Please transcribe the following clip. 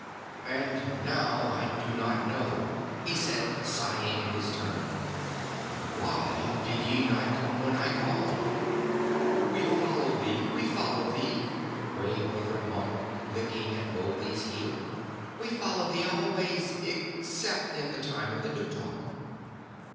"And now I do not know," he said, sighing in his turn. "Why did ye not come when I called?" "We follow thee we follow thee," Gray Brother mumbled, licking at Mowgli's heel. "We follow thee always, except in the Time of the New Talk."